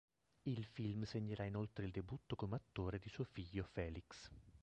Il film segnerà inoltre il debutto come attore di suo figlio Felix.